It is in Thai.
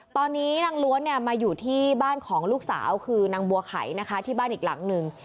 ตอนนี้นางล้วนเนี่ยมาอยู่ที่บ้านของลูกสาวคือนางบัวไขนะคะที่บ้านอีกหลังหนึ่ง